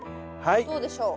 どうでしょう？